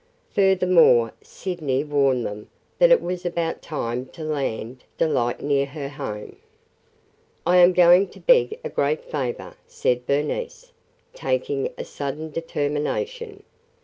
Furthermore, Sydney warned them that it was about time to land Delight near her home. "I am going to beg a great favor," said Bernice, taking a sudden determination.